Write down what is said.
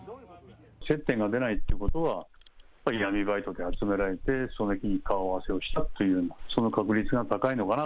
接点が出ないということは、やっぱり闇バイトで集められて、その日に顔合わせをしたっていう、その確率が高いのかな。